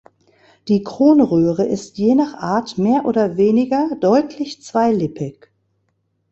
Die Kronröhre ist je nach Art mehr oder weniger deutlich zweilippig.